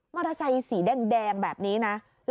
เตอร์ไซค์สีแดงแบบนี้นะ